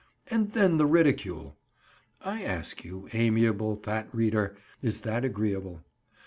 And then the ridicule! I ask you, amiable fat reader, is that agreeable?